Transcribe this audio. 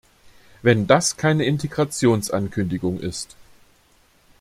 Wenn das keine Integrationsankündigung ist!